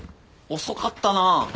遅かったな。